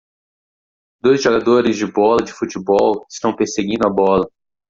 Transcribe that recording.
Dois jogadores de bola de futebol estão perseguindo a bola.